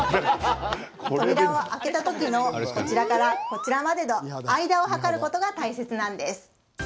扉を開けた時のこちらからこちらまでの間を測ることが大切なんです。